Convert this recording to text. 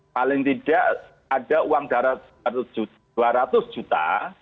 paling tidak ada uang darat dua ratus juta